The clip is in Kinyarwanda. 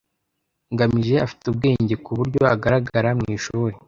ngamije afite ubwenge kuburyo agaragara mwishuri. .